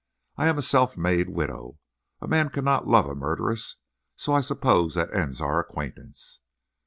I am a self made widow. A man cannot love a murderess. So I suppose that ends our acquaintance."